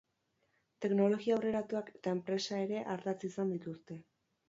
Teknologia aurreratuak eta enpresa ere ardatz izan dituzte.